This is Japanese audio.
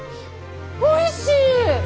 おいしい！